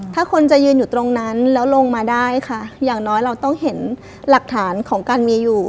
ถ้าคนจะยืนอยู่ตรงนั้นแล้วลงมาได้ค่ะอย่างน้อยเราต้องเห็นหลักฐานของการมีอยู่